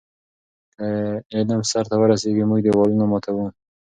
که علم سرته ورسیږي، موږ دیوالونه ماتوو.